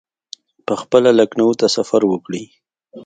پخپله لکنهو ته سفر وکړي.